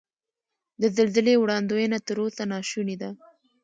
د زلزلې وړاندوینه تر اوسه نا شونې ده.